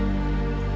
keadaan sekarang ini